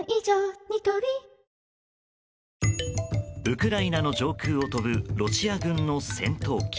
ウクライナの上空を飛ぶロシア軍の戦闘機。